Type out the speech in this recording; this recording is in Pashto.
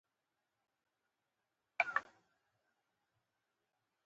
ښوروا له سبزيجاتو سره رنګینه ده.